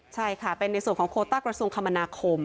ใช่ค่ะเป็นในส่วนของโคต้ากระทรวงคมนาคม